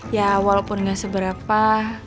ya walaupun gak seberapa